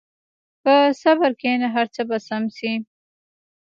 په صبر کښېنه، هر څه به سم شي.